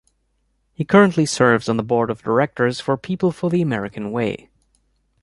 He currently serves on the Board of Directors for People for the American Way.